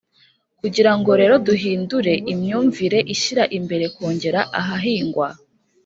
kugirango rero duhindure imyumvire ishyira imbere kongera ahahingwa,